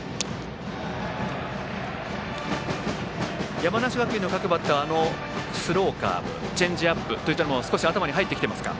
山梨学院の各バッターはスローカーブチェンジアップといったところ頭に入ってきていますか？